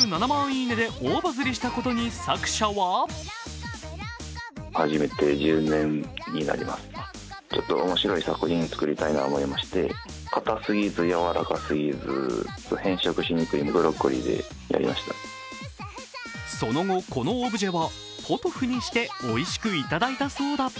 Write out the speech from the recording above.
「いいね」で大バズりしたことに作者はその後、このオブジェはポトフにしておいしく頂いたそうだ。